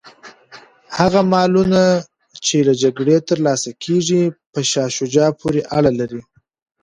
هغه مالونه چي له جګړې ترلاسه کیږي په شاه شجاع پوري اړه لري.